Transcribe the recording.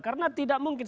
karena tidak mungkin